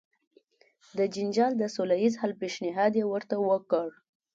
د جنجال د سوله ایز حل پېشنهاد یې ورته وکړ.